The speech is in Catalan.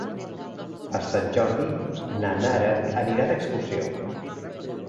Per Sant Jordi na Nara anirà d'excursió.